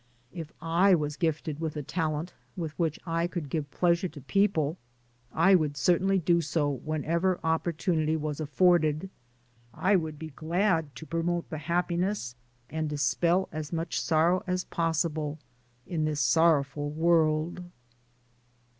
If I was gifted with a talent, with which I could give pleasure to people, I would cer tainly do so whenever opportunity was af forded. I would be glad to promote the happiness, and dispel as much sorrow as pos sible, in this sorrowful world.